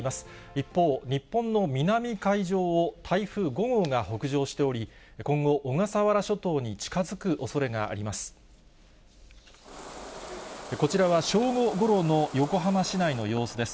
一方、日本の南海上を台風５号が北上しており、今後、小笠原諸島に近づくおそれがあります。